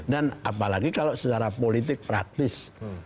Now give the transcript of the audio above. dan apalagi kalau secara politik praktis